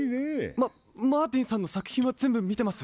ママーティンさんのさくひんはぜんぶみてます。